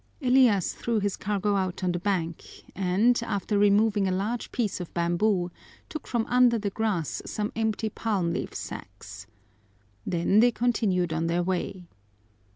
Elias threw his cargo out on the bank and, after removing a large piece of bamboo, took from under the grass some empty palm leaf sacks. Then they continued on their way.